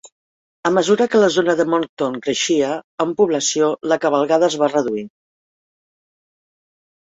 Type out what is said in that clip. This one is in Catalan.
A mesura que la zona de Moncton creixia en població, la cavalcada es va reduir.